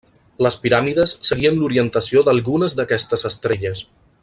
Les piràmides seguien l'orientació d'algunes d'aquestes estrelles.